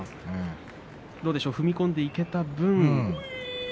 どうでしょう踏み込んでいけた分。